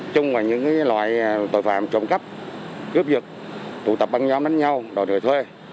chúng là những loại tội phạm trộm cắp cướp giật tụ tập bằng nhóm đánh nhau đòi lời thuê